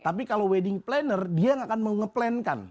tapi kalau wedding planner dia yang akan mengeplankan